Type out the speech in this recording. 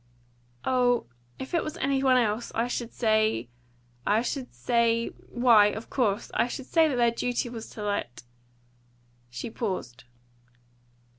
"Oh, if it was any one else, I should say I should say Why, of course! I should say that their duty was to let " She paused.